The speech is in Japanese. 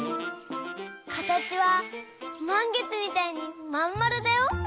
かたちはまんげつみたいにまんまるだよ。